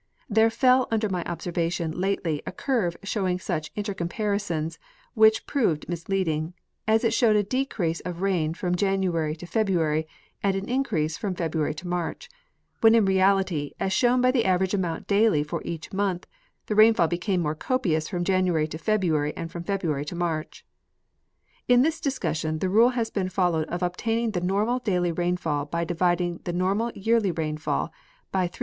There fell under ni}^ observation lately a curve showing such inter comparisons which proved misleading, as it showed a decrease of rain froni January to February and an increase from February to March, when in reality, as shown by the average amount daily for each month, the rainfall became more copious from January to February and from February to March. In this discussion the rule has been followed of obtaining the normal daily rainfall by dividing the normal yearly rain fall by 365.25.